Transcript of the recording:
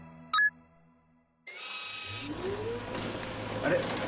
あれ。